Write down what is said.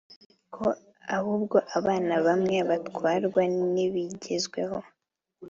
ko ahubwo abana bamwe batwarwa n’ibigezweho